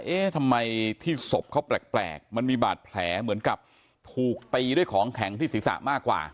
เอ๊ะทำไมที่ศพเขาแปลกมันมีบาดแผลเหมือนกับถูกตีด้วยของแข็งที่ศีรษะมากกว่า